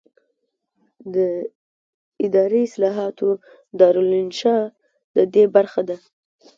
د اداري اصلاحاتو دارالانشا ددې برخه ده.